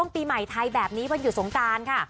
ปีใหม่ไทยแบบนี้วันหยุดสงการค่ะ